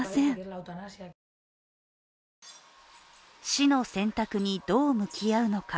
死の選択にどう向き合うのか。